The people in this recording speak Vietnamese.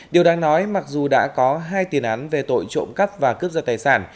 điều đáng nói mặc dù đã có hai tiền án về tội trộm cắp và cướp giật tài sản